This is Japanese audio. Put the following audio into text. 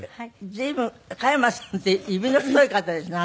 随分加山さんって指の太い方ですね